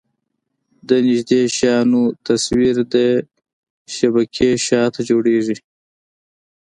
د نږدې شیانو تصویر د شبکیې شاته جوړېږي.